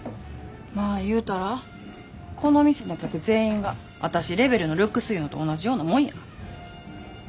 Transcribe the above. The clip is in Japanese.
まあ言うたらこの店の客全員が私レベルのルックスいうのと同じようなもんや。